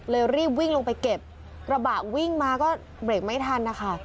รีบวิ่งลงไปเก็บกระบะวิ่งมาก็เบรกไม่ทันนะคะ